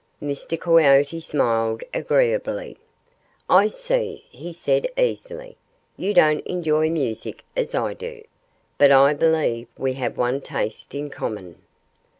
Mr. Coyote smiled agreeably. "I see," he said easily. "You don't enjoy music as I do. But I believe we have one taste in common."